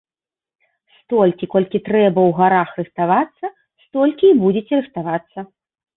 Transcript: Столькі, колькі трэба ў гарах рыхтавацца, столькі і будзеце рыхтавацца.